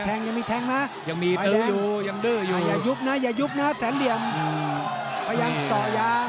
อเจมส์ยังมีแทงนะยังมีตื้อยู่ยังดื้อยู่อเจมส์อย่ายุบนะอย่ายุบนะแสนเหรียญประยังเจาะยาง